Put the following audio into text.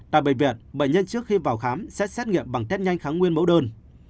tại bệnh viện bệnh nhân trước khi vào khám sẽ xét nghiệm bằng tết nhanh kháng nguyên mẫu đơn